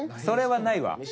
それはないわ。